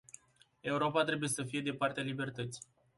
Europa trebuie să fie de partea libertății.